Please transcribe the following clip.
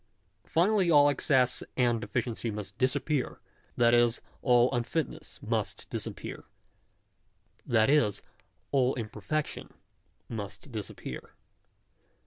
Finally all excess and all deficiency must disappear ; that is, all unfitness must disappear; that is, all imperfectiop must disappear.